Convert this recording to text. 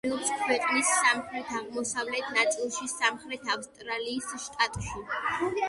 მდებარეობს ქვეყნის სამხრეთ-აღმოსავლეთ ნაწილში, სამხრეთ ავსტრალიის შტატში.